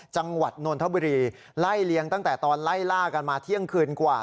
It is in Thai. จังหวัดนนทบุรีไล่เลี้ยงตั้งแต่ตอนไล่ล่ากันมาเที่ยงคืนกว่า